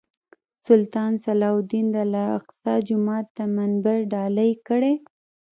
سلطان صلاح الدین د الاقصی جومات ته منبر ډالۍ کړی.